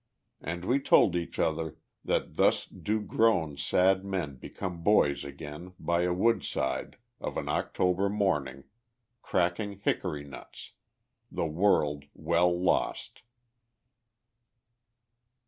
And we told each other that thus do grown sad men become boys again, by a woodside, of an October morning, cracking hickory nuts, the world well lost.